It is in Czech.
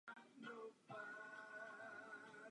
Evropští občané mohou peticemi volat své vlády k odpovědnosti.